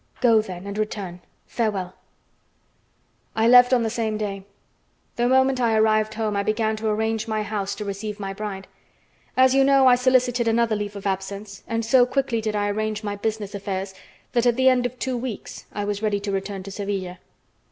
"Go, then, and return. Farewell." I left on the same day. The moment I arrived home I began to arrange my house to receive my bride. As you know I solicited another leave of absence, and so quickly did I arrange my business affairs that at the end of two weeks I was ready to return to Sevilla.